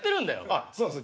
あっそうなんですよ。